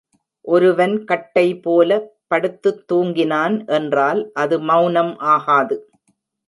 ஒருவன் கட்டை போலப் படுத்துத் தூங்கினான் என்றால் அது மெளனம் ஆகாது.